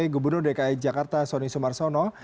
gubernur dki jakarta sony sumarsono